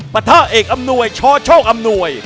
ประทะเอกอำนวยชโชคอำนวย